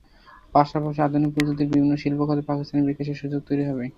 পাশাপাশি আধুনিক প্রযুক্তির বিভিন্ন শিল্প খাতে পাকিস্তানের বিকাশের সুযোগও তৈরি হবে।